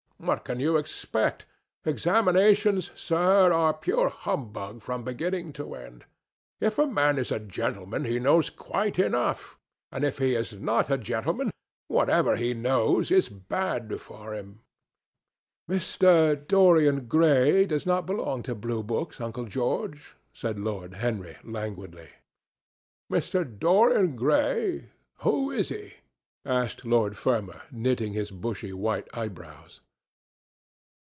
What can you expect? Examinations, sir, are pure humbug from beginning to end. If a man is a gentleman, he knows quite enough, and if he is not a gentleman, whatever he knows is bad for him." "Mr. Dorian Gray does not belong to Blue Books, Uncle George," said Lord Henry languidly. "Mr. Dorian Gray? Who is he?" asked Lord Fermor, knitting his bushy white eyebrows.